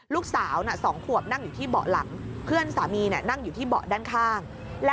ลูกสาวสองขวบนั่งอยู่ที่เบาะหลัง